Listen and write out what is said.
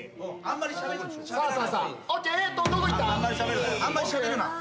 あんまりしゃべるなよ。